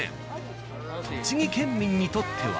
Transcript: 栃木県民にとっては。